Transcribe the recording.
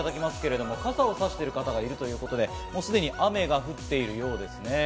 傘をさしている方がいるということで、すでに雨が降っているようです。